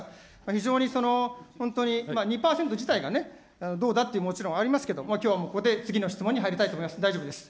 非常に、本当に２％自体がどうだってもちろんありますけど、きょうはもうここで、次の質問に入りたいと思います。